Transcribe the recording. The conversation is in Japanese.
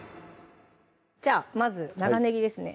じゃあまず長ねぎですね